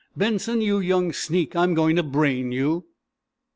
"Benson, you young sneak, I'm going to brain you!"